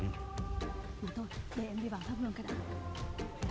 thôi để em đi vào tháp hương cái đã